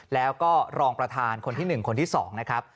แล้วก็รองประธานคนที่๑คนที่๒นะครับ